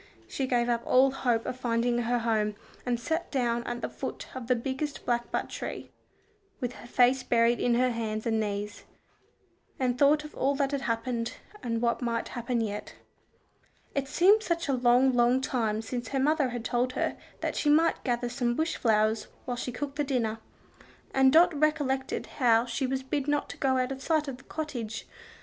She gave up all hope of finding her home, and sat down at the foot of the biggest blackbutt tree, with her face buried in her hands and knees, and thought of all that had happened, and what might happen yet. It seemed such a long, long time since her mother had told her that she might gather some bush flowers while she cooked the dinner, and Dot recollected how she was bid not to go out of sight of the cottage.